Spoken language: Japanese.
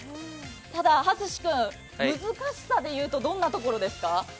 ただ蓮子君、難しさでいうとどんなところですか？